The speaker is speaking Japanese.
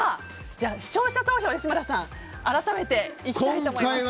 では視聴者投票、吉村さんいきたいと思います。